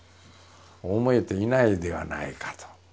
思えていないではないかと。